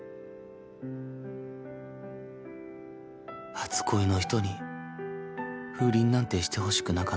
初恋の人に不倫なんてしてほしくなかった